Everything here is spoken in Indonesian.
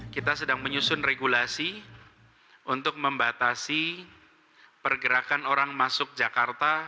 kita sedang menyusun regulasi untuk membatasi pergerakan orang masuk jakarta